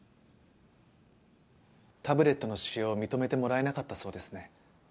タブレットの使用認めてもらえなかったそうですね。